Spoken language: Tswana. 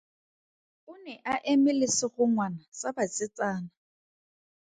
O ne a eme le segongwana sa basetsana.